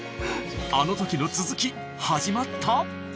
あの時の続き始まった？